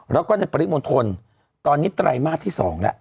แล้วก็ในปริมณฑลตอนนี้ไตรมาสที่๒แล้ว